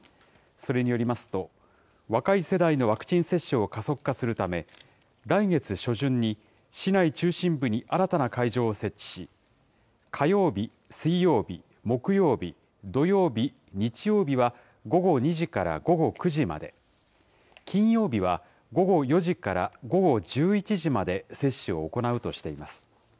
それによりますと、若い世代のワクチン接種を加速化するため、来月初旬に市内中心部に新たな会場を設置し、火曜日、水曜日、木曜日、土曜日、日曜日は、午後２時から午後９時まで、金曜日は午後４時から午後１１時まで接種を行うとしています。